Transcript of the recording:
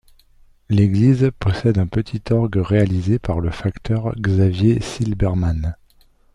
L'église possède un petit orgue réalisé par le facteur Xavier Silbermann.